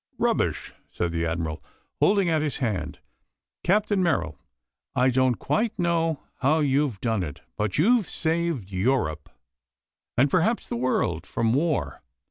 "Rubbish!" said the Admiral, holding out his hand. "Captain Merrill, I don't quite know how you've done it, but you've saved Europe, and perhaps the world, from war.